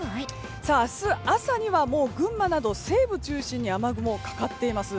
明日、朝には群馬など西部中心に雨雲がかかっています。